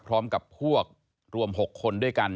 พร้อมกับพวกรวม๖คนด้วยกัน